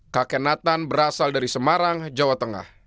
kakek nathan berasal dari semarang jawa tengah